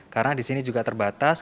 karena di sini juga terbatas